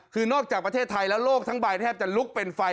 คือนอกจากประเทศไทยแล้วโลกทั้งใบแทบจะลุกเป็นไฟ